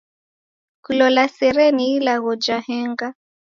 Kulola sere ni ilagho ja henga.